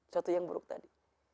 satu yang buruk tadi